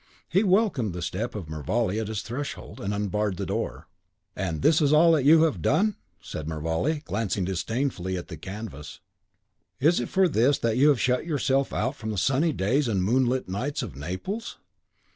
He welcomed the step of Mervale at his threshold, and unbarred the door. "And is that all you have done?" said Mervale, glancing disdainfully at the canvas. "Is it for this that you have shut yourself out from the sunny days and moonlit nights of Naples?"